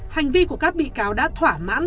hành vi của các bị cáo đã thỏa mãn